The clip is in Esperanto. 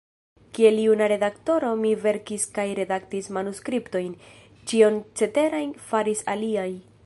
Kiel juna redaktoro mi verkis kaj redaktis manuskriptojn; ĉion ceteran faris aliaj.